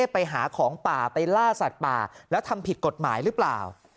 ไปหาของป่าไปล่าสัตว์ป่าแล้วทำผิดกฎหมายหรือเปล่า